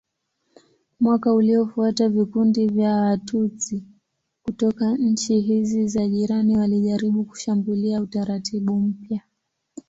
Mwaka uliofuata vikundi vya Watutsi kutoka nchi hizi za jirani walijaribu kushambulia utaratibu mpya.